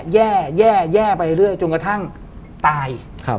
แย่แย่ไปเรื่อยจนกระทั่งตาย